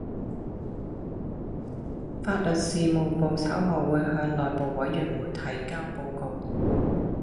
法律事務部稍後會向內務委員會提交報告